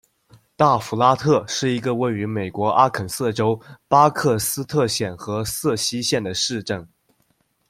大弗拉特是一个位于美国阿肯色州巴克斯特县和瑟西县的市镇。